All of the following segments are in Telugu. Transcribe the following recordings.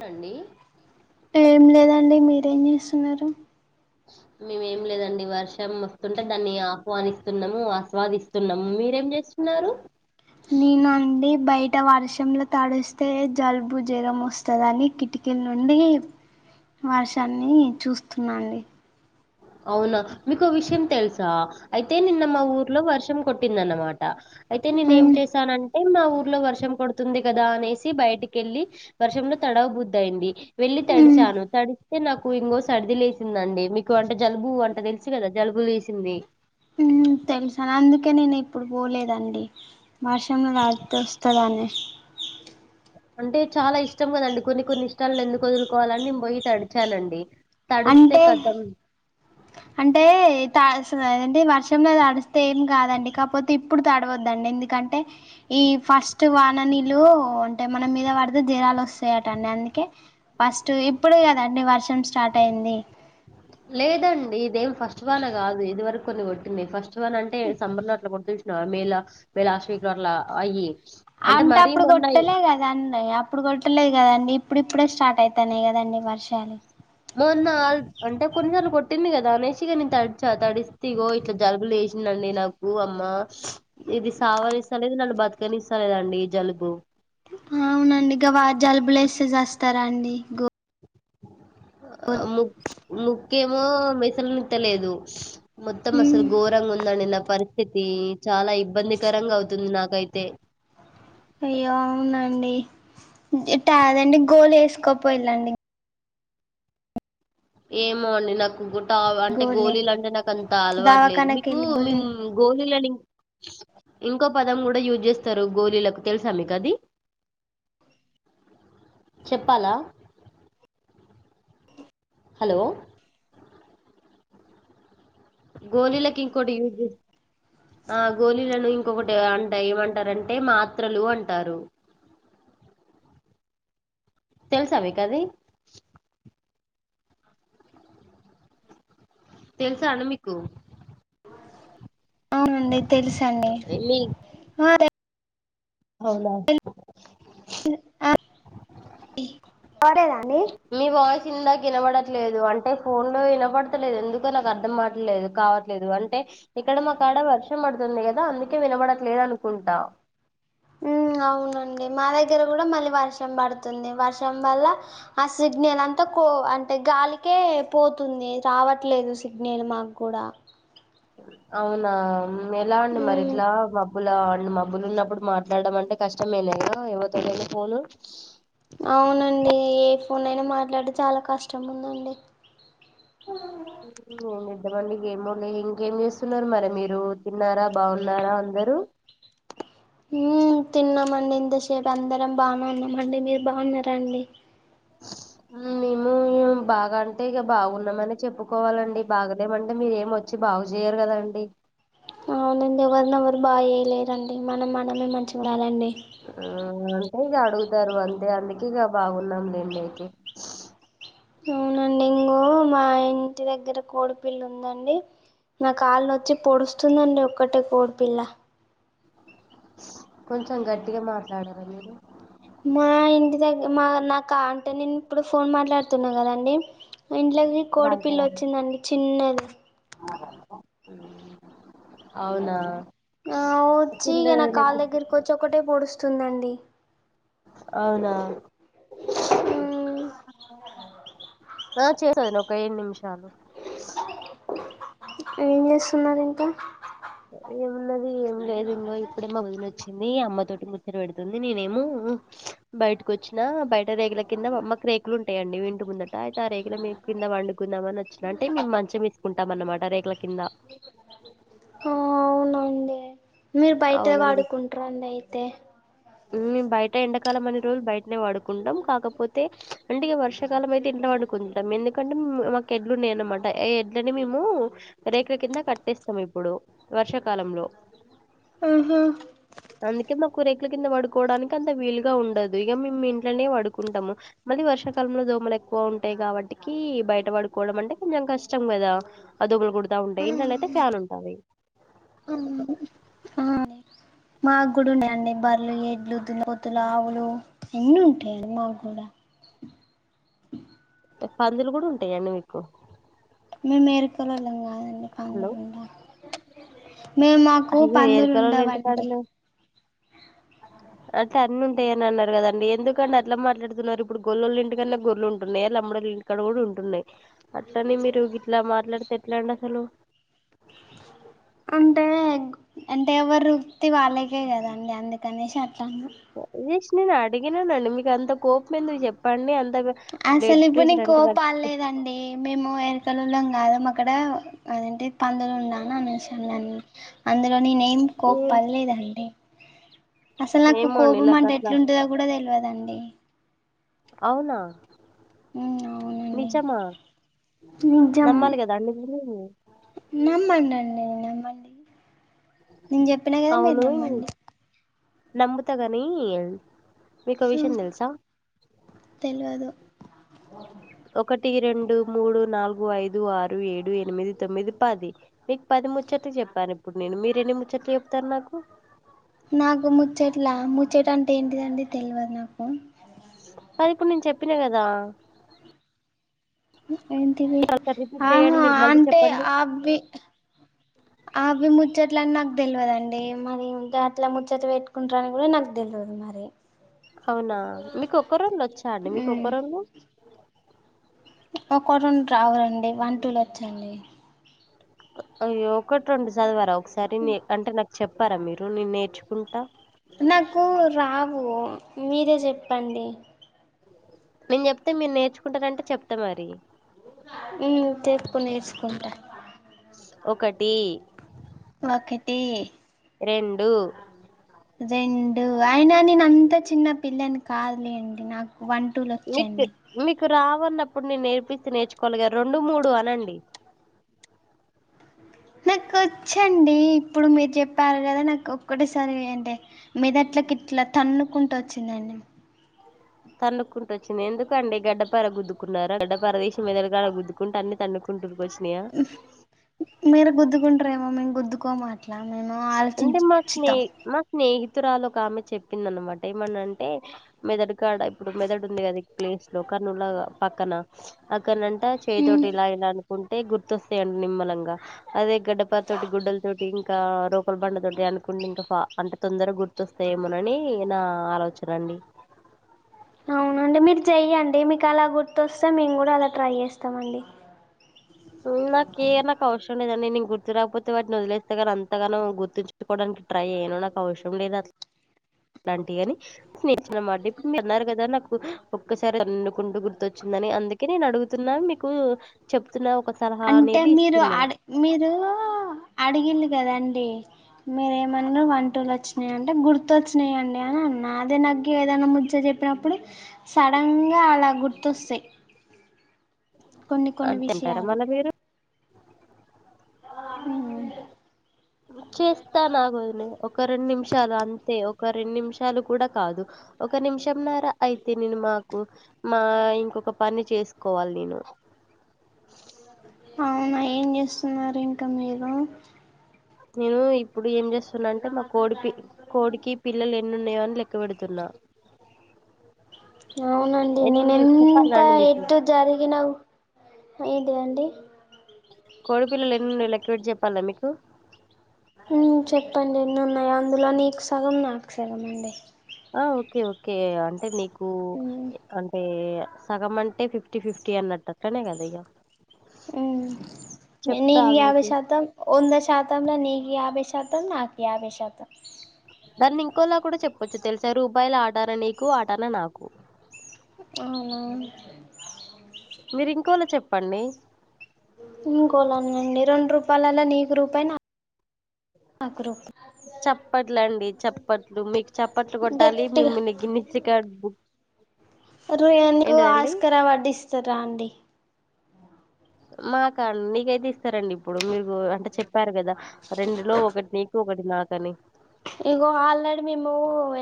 వండి ఏం లేదండి మీరేం చేస్తున్నారు మేము ఏం లేదండి వర్షం వస్తుంటే దాన్ని ఆహ్వానిస్తున్నాము, ఆస్వాదిస్. స్తున్నం మీరేం చేస్తున్నారు [inaudible] నేనా అండి బయట వర్షంలో తడిస్తే జలుబు జరం వస్తుందని కిటికీ నుండి వర్షాన్ని చూస్తున్నాండి. అవునా మీకు ఓ విషయం తెలుసా అయితే నిన్న మా ఊర్లో వర్షం కొట్టింద అన్నమాట అయితే నేను ఏం ఉమ్ చేశానంటే మా ఊర్లో వర్షం పడు పడుతుంది కదా అనేసి బయటికెళ్ళి వర్షంలో తడవ బుద్దయింది వెళ్ళి ఉమ్ తడిచాను తడి అయితే నాకు ఇంగో సర్ది లేసిందండి మీకు అంట జలుబు అంట తెలుసు కదా జలుబు లేసింది ఊహూ తెలుసా అందుకే నేను ఇప్పుడు పోలేదండి. వర్షం లో తడిపిస్తది అది అంటే చాలా ఇష్టం కదండి కొన్ని కొన్ని ఇష్టాలను ఎందుకు వదులుకోవాలని నేను పోయి తడిచానండి తడుస్తే అంటే కతం అంటే తాస్ అండే వర్షంలో తడిస్తే ఏం కాదండి కాపోతే ఇప్పుడు తడవద్దండి ఎందుకు. కంటే ఈ ఫస్ట్ వాననీల్లు అంటే మన మీద పడితే జరాలు వస్తాయటండి అందుకే ఫస్ట్ ఇప్పుడే కదండి వర్షం స్టార్ట్ అయింది లేదండి ఇదేం ఫస్ట్ వాన కాదు ఇది వరకు కొంచెం కొట్టింది ఫస్ట్ వని అంటే సమ్మర్ లో అట్లా కొడుతూసిన మేల మే లాస్ట్ వీక్ లో అట్లా అయ్యి అంటే మరీ అప్పుడు మొన్న కొట్టలే కద దండి అప్పుడు కొట్టలేదు కదండి ఇప్పుడు ఇప్పుడే స్టార్ట్ అవుతాన్నాయి కదండి వర్షాలు మొన్న అంటే కొన్నిసార్లు కొట్టింది కదా అనేసి ఇగా నేను తడిచ తడిస్తే ఇగో ఇట్లా జలుబులు వేసిందండి నాకు వ అమ్మా ఇది సావనిస్త లేదు నన్ను బతుకనిస్తాలేదండి జలుబు అవునండి గ జలుబులు చేస్తే చస్తారా అండి గో ఆ ముక్ ముక్కేమో మెసలు నిత్తలేదు మొత్తం అసలు ఉమ్, ఘోరంగా ఉందండి నా పరిస్థితి. చాలా ఇబ్బందికరంగా అవుతుంది నాకైతే. అయ్యో అవునండి ఇట్టా అదండి గోలు వేసుకోపోయిలాండి ఏమో అండి నాకు గోట్ట అంటే గోళ గోళిలు అంటే నాకు అంత అలవాటులేదు దవాఖానకి మీకు వెళ్ళి మీ గోళ గోలీలని ఇంకో పదం కూడా యూజ్ చేస్తారు గోలీలకు తెలుసా మీకు అది చెప్పాలా హలో గోలిలకి ఇంకోటి యూజ్ ఆ గోలీలను ఇంకొకటి అంట ఏమంటారంటే మాత్రలు అంటారు తెలుసా మీకది తెలుసా అండి మీకు అవునండి తెలుసండి మీ ఆ దట్ అవునా ఉ అ యి కోరేదా అండి మీ వాయిస్ ఇందాకినబడట్లేదు. అంటే ఫోన్ లో ఇనబడతలేద్ ఎందుకో నాకర్థంఆట్లేదు కా లేదు అంటే ఇక్కడ మాకాడ వర్షం బడుతుంది కదా అందుకే వినబడట్లేదనుకుంటా. ఊమ్ అవునండి మా దగ్గర గూడా మళ్ళీ వర్షం బడుతుంది వర్షం వల్ల ఆ సిగ్నల్ అంతా కో అంటే గాలికే పోతుంది రావట్లేదు సిగ్నల్ మాగ్గూడా అవునా మెలాండి ఉమ్ మరిట్లా మబ్బులా అండి మబ్బులున్నప్పుడు మాట్లాడం అంటే కష్టమేలీగా ఎవరితోటైనా ఫోను అవునండి ఏ ఫోన్ అయినా మాట్లాడి చాలా కష్టం ఉందండి అవు [unintelligible] ఇంగేమ్ ఇద్దమండి గేమోలే ఇంకేం చేస్తున్నారు మరి మీరు తిన్నారా బావున్నారా అందరూ. ఊ తిన్నామండి ఇంతసేప్ అందరం బానే ఉన్నామండి. మీరు బావున్నరా అండి. ఉమ్మ్మ్ మిము బాగాన్ టే ఇగ బాగున్నామనె చెప్పుకోవాలండి. బాగలేమంటే మీరేమ్ ఒచ్చి బాగు చేయరు కదండి. అవునండి ఎవరిన్ ఎవరు బాగ్ చేయలేరండి మనం మనమే మంచ్ ఉండాలండి ఆ అంటే ఇగ అడుగుతారు అంతే అందుకే ఇగ బాగున్నాం లెండయితే అవునండి ఇంగో మా ఇంటి దగ్గర కోడిపిల్లుందండి నా కాళ్ళుచ్చి పొడుస్తుందండి ఒక్కటే కోడిపిల్ల. కొంచెం గట్టిగ మాట్లాడరా మీరు మా ఇంటి దగ్గ మా నాక అంటె నేన్ ఇప్పుడు ఫోన్ మాట్లాడుతున్నా కదండి ఇంట్లోకి రాదు కోడిపిల్ రాదు. ఒచ్చిందండి చిన్నది అవునా ఆ ఓచ్చి ఇగ నా తిన్న కాళ్ దగ్గరకొచ్చి ఒకటే పొడుస్తుందండి. అవునా ఆ చేసాను ఒక ఏడ్ నిమిషాలు. ఏన్ చేస్తున్నారింకా అ ఏమున్నది ఏం లేదు ఇంగో ఇప్పుడే వొదినోచ్చింది అమ్మ తోటి ముచ్చట వెడుతుంది నేనేమో బయటి కొచ్చిన బయట రేగుల కింద మమ్మక్ రేకులుంటాయండి ఇంటి ముందట. అయితే ఆ రేకుల మీద్ కింద వండుకుందాం అన్ ఒచ్చినంటే మేమ్ మంచం ఏసుకుంటాం అన్నమాట రేకుల కింద కే మీర్ బయట వాడుకుంటారండి అయితే మ్ బయట ఎండాకాలం అన్ని రోజుల్ బయటనే వడుకుంటాం. కాకపోతే అంటే ఇగ వర్షకాలం అయితే ఇంట్ల వండు కుంటాం ఎందుకంటే మాకెడ్లున్నాయ్ అన్నమాట అ ఎడ్లని మేము రేకుల కింద కట్టేస్తాం ఇప్పుడు వర్షాకాలంలో ఆహ అందుకే మాకు రేకుల కింద వడుకోవడానికంత వీలుగా ఉండదు ఇగ మేమ్ ఇంట్లోనే వడుకుంటాము మళ్ళీ వర్షాకాలంలో దోమల్ ఎక్కువ ఉంటాయి గావట్టికీ బయట వడుకోవడం అంటే కొంచెం కష్టం కదా. అ దొమల్ కుడతా ఉంటయ్ ఇంట్లోనయితే ఫ్యాన్ ఉంటాది అమ్మ్మ్ ఆ మాగ్గుడ్ ఉన్న యండి. బర్లు ఎడ్లు దున్నపొతులు ఆవులు ఎన్ని ఉంటాయి మాగ్గూడా అ పందులు కూడ్ ఉంటాయండి మీకు మేమ్ ఎరుకలొల్లం కాదండి హలో పండుమూండ. మేమ్ మాకు అయ్యో ఎరకలోళ్ళ పందులుండవండి. ఇంటికాడనే అట్ అన్ని ఉంటాయనన్నారు కదండి ఎందుకండ్ అట్ల మాట్లాడుతున్నారు. ఇప్పుడు గొల్లోలింటికన్నె గొర్లు ఉంటున్నాయ లంబడోల్ ఇక్కడ గూడ్ ఉంటున్నయ్. అట్లని మీరు గిట్లా మాట్లాడితే ఎట్లాండసలు అంటే అంటే ఎవరు వృత్తి వాళ్ళకే కదండి అందుకనేసి అట్లా అన్న జస్ట్ నేను అడిగిననండి మీకు అంత కోపం ఎందుకు చెప్పండి అంత అసలు బ్లడ్ ఇప్పుడు నీ ప్రెషర్ అంటే కోపాలేదండి మేము ఎరుకలోల్లం కాదాం అక్కడ అదంటిది పందులో ఉన్నన్ అనిసాను అందులో నేనేం ఏం కోపల్లెదండి అసలు నాకు ఏమోండి కోపం నాకు అంటే అట్లా ఎట్లుంటుందో కూడా తెలియదండి అవునా అవునండి నిజమా నమ్మాలి కదాండి మీరు నమ్మండండి నమ్మండి నేను చెప్పినా కదా మీరు అవును నమ్మండి నమ్ముత గానీ మీకో విషయం తెలుసా తెల్వదు అ ఒకటి, రెండు, మూడు, నాలుగు, ఐదు, ఆరు, ఏడు, ఎనిమిది, తొమ్మిది, పది. నీకు పది ముచ్చట్లు చెప్పాను ఇప్పుడు నేను మీరు ఎన్ని ముచ్చట్లు చెప్తారు నాకు నాకు ముచ్చట్లా ముచ్చట అంటే ఏంటిదండి తెలియదు నాకు కాదు ఇప్పుడు నేను చెప్పిన కదా ఏంటిది మీరు ఒకసారి రిపీట్ చేయండి ఆహా మీరు మళ్ళీ అంటే చెప్పండి అబి అవి ముచ్చట్ల అని నాకు తెలియదండి మరి అట్లా ముచ్చట పెట్టుకుంటారని కూడా నాకు తెలియదు మరి అవునా మీకు ఒక్క రోల్లు వచ్చా అండి మీక ఒక్క రోల్లు ఒకటి రెండు రావులండి వన్ టూలో వచ్చండి అయ్యో ఒకటి రెండు చదవర ఒకసారి అంటే నాకు చెప్పారా మీరు నేను నేర్చుకుంటా నాకు రావు మీరే చెప్పండి నేను చెప్తే మీరు నేర్చుకుంటారంటే చెప్తా మరి ఊ చెప్పు నేర్చుకుంటా ఒకటి ఒకటి రెండు రెండు అయినా నేను అంత చిన్న పిల్లని కాదులేండి నాకు వన్ టూలు మీకు వచ్చండి మీకు రావన్నప్పుడు నేను నేర్పిస్తె నేర్చుకోవాలి గా రెండు మూడు అనండి నాకు వచ్చండి ఇప్పుడు మీరు చెప్పారు కదా నాకు ఒక్కటసారి యండి మెదట్లకి ఇట్లా తన్నుకుంటూ వచ్చిందండి తన్నుకుంట వచ్చంది ఎందుకండి గడ్డపార గుద్దుకున్నారా గడ్డపార తీసి మెదడు కాడ గుద్దుకుంట అన్ని తన్ను కుంటూరుకు వచ్చనయా మీరు గుద్దుకుంటారేమో మేము గుద్దుకోం అట్లా మేము అంటే మా స్నే ఆలోచించుతాం మా స్నేహితురాలు ఒక ఆమె చెప్పింద అనమాట ఏమని అంటే మెదడు కాడ ఇప్పుడు మెదడు ఉంది కదా ఈ ప్లేస్ లో కన్ను లాగా పక్కన అక్కనంట చేతోటి ఇలా ఇలా అను కుంటే గుర్తొస్తాయండి నిమ్మలంగా అదే గడ్డపార తోటి గుడ్డల తోటి ఇంకా రోకల బండతో అనుకుంటే ఇంకా అంటే తొందర గుర్తొస్తాయేమోనని నా ఆలోచన అండి అవునండి మీరు చెయ్యండి మీకు అలా గుర్తుస్తే మేము కూడా అలా ట్రై చేస్తామ అండి ఊ నాకే నా అవస్ డలేదండి నేను గుర్తు రాకపోతే వాటిని వదిలేస్తే కానీ అంతగనం గుర్తుంచకోడానికి ట్రై చేయను నాకు అవసం లేదు అట్లా అలాంటివి అని [unintelligible] అన్నమాట ఇప్పుడు మీరు అన్నారు కదా నాకు ఒక్కసారి తన్నుకుంటూ గుర్తొచ్చిందని అందుకని అందుకని నేను అడుగుతున్నా మీకు చెప్తున్నా ఒక సలహా అంటే అనేది మీరు ఇస్తున్నాను అడి ఓకే మీరు అడిగిండ్రు కదాండి మీరేమన్న వన్ టూలు వచ్చినాయింటే గుర్తు వచ్చినాయి అండి అని అన్న అదే నాకు ఏదైనా ముచ్చట చెప్తే చెప్పినప్పుడు సడన్ గా అలా గుర్తోస్తాయి ఆ తింటారా విషయాలు మళ్లా మీరు హ్మ్ చేస్తాను ఆగండి ఒక రెండు నిమిషాలు అంతే ఒక రెండు నిమిషాలు కూడా కాదు ఒక నిమిషంన్నర అయితే నేను మాకు మా ఇంకొక పని చేసుకోవాలి నేను అవునా ఏం చేస్తున్నారు ఇంకా మీరు నేను ఇప్పుడు ఏం చేస్తున్నా అంటే మా కోడి పి కోడికి పిల్లలు ఎన్నున్నాయో అని లెక్క పెడుతున్నా అవునండి నేను ఎన్నున్నాయి చెప్పాలా ఎంత అండి మీకు ఎట్ జరిగిన ఇది అండి కోడి పిల్లలు ఎనున్నాయో లెక్క పెట్టి చెప్పాల్నా మీకు హ్మ్ చెప్పండి ఎన్ని ఉన్నాయి అందులో నీకు సగం నాకు సగం అండి ఆ ఓకే ఓకే అంటే నీకు ఉమ్ అంటే సగంమంటే అంటే ఫిఫ్టీ ఫిఫ్టీ అన్నట్టే కదా ఉమ్ చెప్తా [unintelligible] యాభై ఆగైతే. శాతం వంద శాతంలో నీకు యాభై శాతం నాకు యాభై శాతం దాన్ని ఇంకోలా కూడా చెప్పొచ్చు తెలుసా రూపాయల ఆటనా నీకు ఆటనా నాకు అవునా మీరు ఇంకోలా చెప్పండి ఇంకోలానా అండీ రెండు రూపాయలలో నీకు రూపాయి నా నాకు రూపాయి చప్పట్లండి చప్పట్లు మీకు చప్పట్లు కొట్టాలి గట్టిగా మిమ్మల్నిని గిన్నిస్ రికార్డు బుక్ అరే ఎందుకు ఏంటిదండి? ఆస్కార్ అవార్డ్ ఇస్తారా అండి మాకా నీకైతే ఇస్తారండి ఇప్పుడు మీరు అంటే చెప్పారు కదా రెండులో ఒకటి నీకు ఒకటి నా కని ఇగో ఆల్రెడీ మేము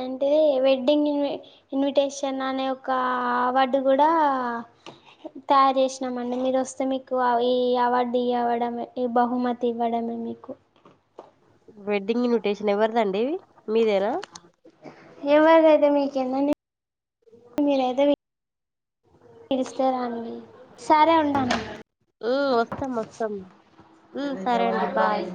ఏంటిది వెడ్డింగ్ ఇన్వి ఇన్విటేషన్ అనే ఒక అవార్డు కూడా తయారు చేసినామండీ మీరు వస్తే మీకు ఈ అవార్డు ఇవ్వడమే ఈ బహుమతి ఇవ్వడమే మీకు వెడ్డింగ్ ఇన్విటేషన్ ఎవరిదండి మీదేనా ఎవరిదైతే మీకేందండి [inaudible] మీరైతే పిలుస్తారాండి సరే ఉంటాను ఉమ్ వస్తాం వస్తాం సరే అండి బాయ్